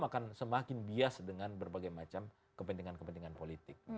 akan semakin bias dengan berbagai macam kepentingan kepentingan politik